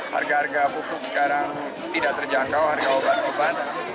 harga harga pupuk sekarang tidak terjangkau harga obat obat